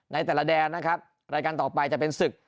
ในแต่ละแดนนะครับรายการต่อไปจะเป็นศึก